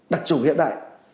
đặc trùng hiện đại